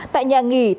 tại nhà nghỉ tây bắc